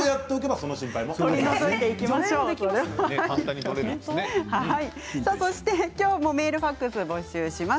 そしてきょうもメール、ファックスを募集します。